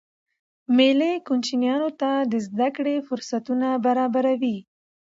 مېلې کوچنيانو ته د زدهکړي فرصتونه برابروي.